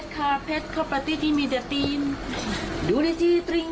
ข้าวปลาตี้ที่มีเดือดตีนดูได้ที่ตริง